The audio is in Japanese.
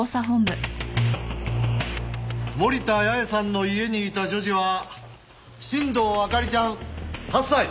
森田八重さんの家にいた女児は新堂明里ちゃん８歳。